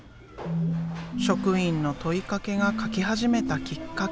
職員の問いかけが描き始めたきっかけ。